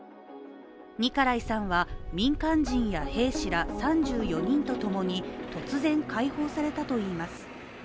ニカライさんは、民間人や兵士ら３４人とともに突然解放されたといいます。